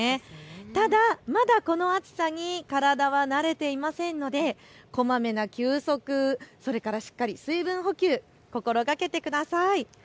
ただ、まだこの暑さに体は慣れていませんのでこまめな休息、それからしっかり水分補給を心がけてください。